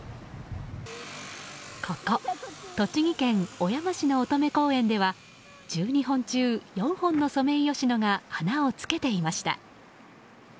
ここ、栃木県小山市の乙女公園では１２本中４本のソメイヨシノが花をつけていました。